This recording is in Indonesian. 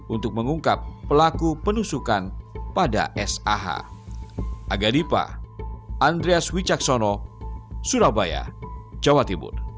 untuk mengungkap pelaku penusukan pada sah